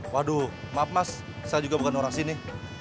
waduh maaf mas saya juga bukan orang sini